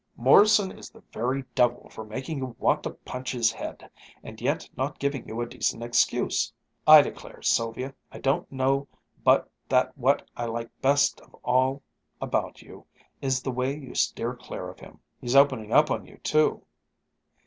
"Morrison is the very devil for making you want to punch his head, and yet not giving you a decent excuse. I declare, Sylvia, I don't know but that what I like best of all about you is the way you steer clear of him. He's opening up on you too.